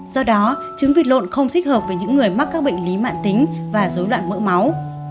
do đó trứng vịt lộn không thích hợp với những người mắc các bệnh lý mạng tính và dối loạn mỡ máu